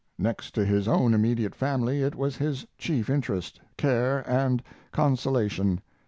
Next to his own immediate family it was his chief interest, care, and consolation.